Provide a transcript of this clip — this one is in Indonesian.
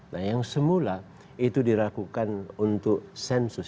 nah yang semula itu dilakukan untuk sensus